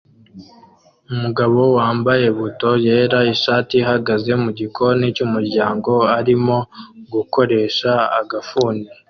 Umugabo wambaye buto yera ishati ihagaze mugikoni cyumuryango arimo gukoresha agafuni